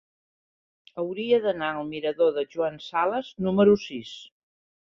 Hauria d'anar al mirador de Joan Sales número sis.